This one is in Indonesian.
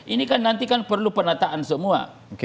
ini kan nanti kan perlu penataan semua